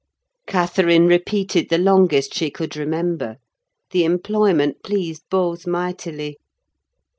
Catherine repeated the longest she could remember. The employment pleased both mightily.